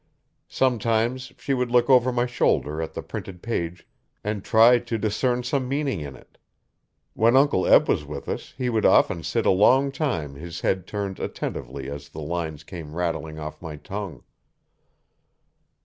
Sometimes she would look over my shoulder at the printed page and try to discern some meaning in it. When Uncle Eb was with us he would often sit a long time his head turned attentively as the lines came rattling off my tongue.